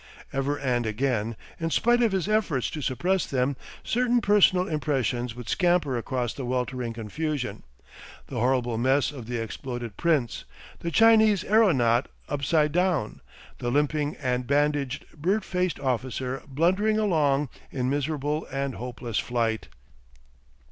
Ever and again, in spite of his efforts to suppress them, certain personal impressions would scamper across the weltering confusion, the horrible mess of the exploded Prince, the Chinese aeronaut upside down, the limping and bandaged bird faced officer blundering along in miserable and hopeless flight....